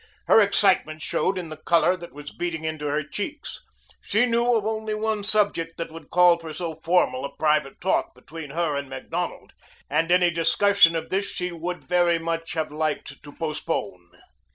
Her excitement showed in the color that was beating into her cheeks. She knew of only one subject that would call for so formal a private talk between her and Macdonald, and any discussion of this she would very much have liked to postpone.